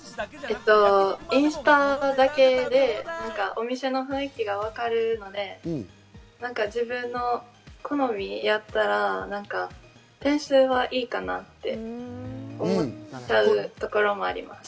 インスタだけでお店の雰囲気がわかるので、自分の好みだったら点数はいいかなって思っちゃうところもあります。